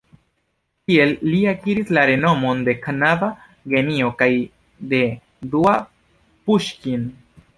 Tiel li akiris la renomon de knaba genio kaj de "dua Puŝkin".